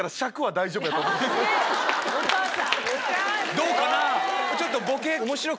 どうかな？